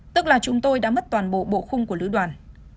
tức là chúng tôi đã mất toàn bộ bộ khung của lữ đoàn